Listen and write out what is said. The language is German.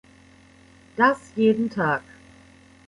Das jeden Tag.